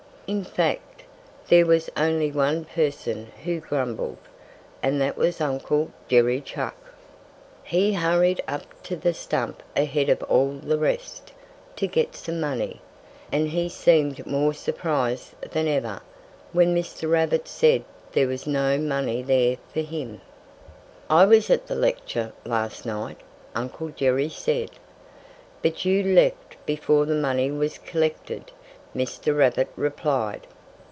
In fact, there was only one person who grumbled; and that was Uncle Jerry Chuck. He hurried up to the stump ahead of all the rest, to get some money. And he seemed more surprised than ever when Mr. Rabbit said there was no money there for him. "I was at the lecture last night," Uncle Jerry said. "But you left before the money was collected," Mr. Rabbit replied.